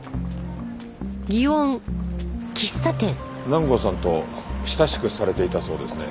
南郷さんと親しくされていたそうですね。